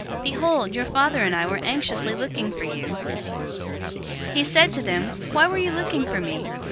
Behold, your father and I were anxiously looking for you." 002:049 He said to them, "Why were you looking for me?